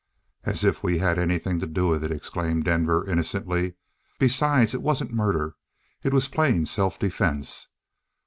"As if we had anything to do with it!" exclaimed Denver innocently. "Besides, it wasn't murder. It was plain self defense.